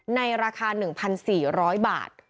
ในราคา๑๔๐๐บาท